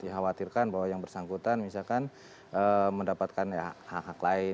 dikhawatirkan bahwa yang bersangkutan misalkan mendapatkan hak hak lain